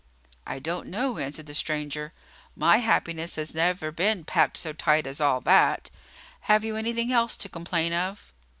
"I don't know," answered the stranger; "my happiness has never been packed so tight as all that. Have you anything else to complain of?"